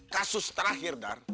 kasus terakhir dar